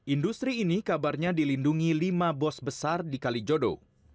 industri ini kabarnya dilindungi lima bos besar di kalijodo